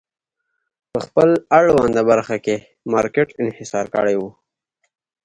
په خپل اړونده برخه کې مارکېټ انحصار کړی و.